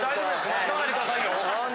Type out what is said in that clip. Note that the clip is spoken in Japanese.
間違わないでくださいよ。